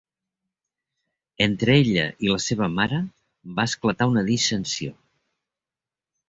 Entre ella i la seva mare va esclatar una dissensió.